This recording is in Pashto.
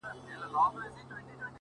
سرکار وايی لا اوسی خامخا په کرنتین کي-